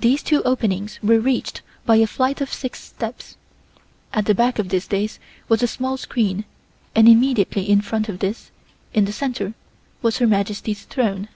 These two openings were reached by a flight of six steps. At the back of this dais was a small screen and immediately in front of this, in the center, was Her Majesty's throne.